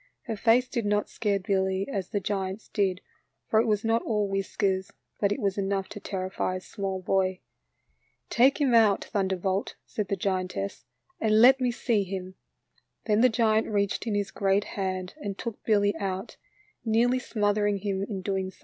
Her face did not scare Billy as the giant's did, for it was not all whiskers, but it was enough to terrify a small boy. " Take him out, Thunderbolt," said the giantess, M and let me see him." Then the giant reached in his great hand and took Billy out, nearly smothering him in so doing.